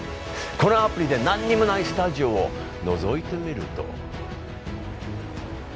このアプリで、なんにもないスタジオをのぞいてみると。